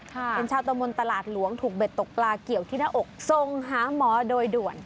เป็นชาวตะมนต์ตลาดหลวงถูกเบ็ดตกปลาเกี่ยวที่หน้าอกทรงหาหมอโดยด่วน